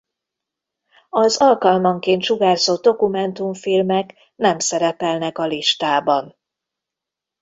Az alkalmanként sugárzott dokumentumfilmek nem szerepelnek a listában.